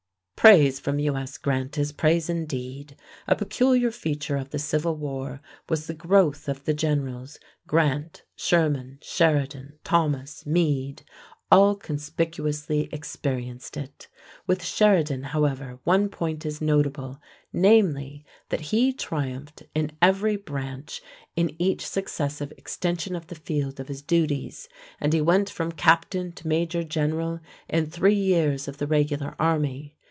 Praise from U.S. Grant is praise indeed. A peculiar feature of the Civil War was the growth of the generals: Grant, Sherman, Sheridan, Thomas, Meade, all conspicuously experienced it. With Sheridan, however, one point is notable, namely, that He triumphed in every branch in each successive extension of the field of his duties, and he went from captain to major general in three years of the regular army.